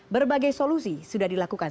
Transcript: berbagai solusi sudah dilakukan